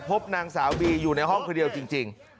พบนางสาวบีอยู่ในห้องคนเดียวจริง